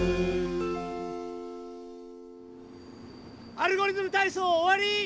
「アルゴリズムたいそう」おわり！